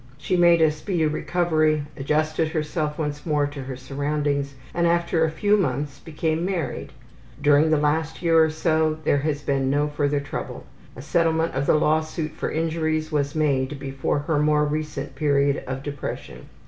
She made a speedy recovery, adjusted herself once more to her surroundings, and after a few months became married. During the last year or so there has been no further trouble. A settlement of the law suit for injuries was made before her more recent period of depression.